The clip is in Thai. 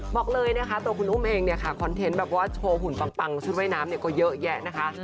บอกเลยนะคะตัวคุณอุ้มเองเนี่ยค่ะคอนเทนต์แบบว่าโชว์หุ่นปังชุดว่ายน้ำเนี่ยก็เยอะแยะนะคะ